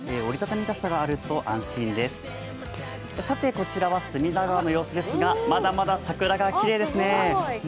こちらは隅田川の様子ですが、まだまだ桜がきれいですね。